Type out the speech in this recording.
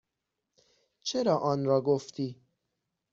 چرا آنرا گفتی؟